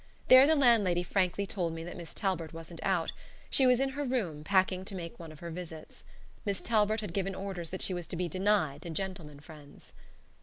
There the landlady frankly told me that Miss Talbert wasn't out. She was in her room packing to make one of her visits. Miss Talbert had given orders that she was to be denied to gentlemen friends.